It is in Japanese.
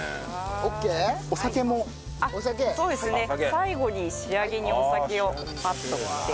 最後に仕上げにお酒をパッと振って。